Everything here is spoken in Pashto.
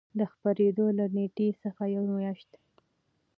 د خپرېدو له نېټې څخـه یـوه میاشـت